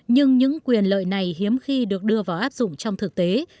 nhưng những quyền lợi này hiếm khi được đưa vào áp dụng trong thực tế